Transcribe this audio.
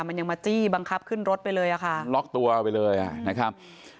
มันยังมาจี้บังคับขึ้นรถไปเลยอ่ะค่ะล็อกตัวเอาไปเลยอ่ะนะครับ